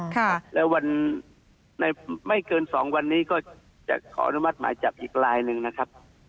ค่ะแล้ววันในไม่เกินสองวันนี้ก็จะขออนุมัติหมายจับอีกลายหนึ่งนะครับ